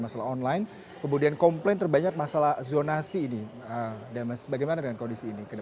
masalah online kemudian komplain terbanyak masalah zonasi ini damas bagaimana dengan kondisi ini